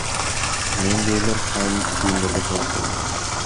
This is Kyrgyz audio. Мендейлер коомдук түйүндөрдө көп.